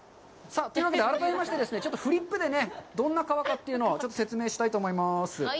というわけで、改めましてちょっとフリップでどんな川かというのをちょっと説明したいと思います。